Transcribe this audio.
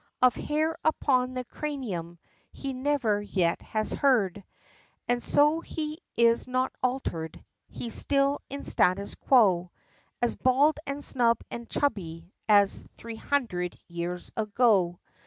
Of hair upon the cranium, he never yet has heard! And so he is not altered, he's still in statu quo, As bald and snub, and chubby, as three hundred years ago!